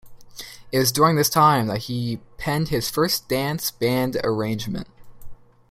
It was during this time that he penned his first dance band arrangement.